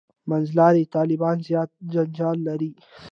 «منځلاري طالبان» زیات جنجال لري.